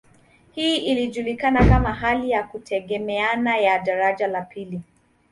Hii inajulikana kama hali ya kutegemeana ya daraja la pili.